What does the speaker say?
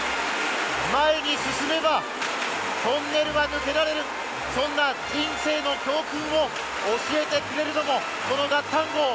前に進めば、トンネルは抜けられるそんな人生の教訓を教えてくれるのも、このＧａｔｔａｎＧＯ！！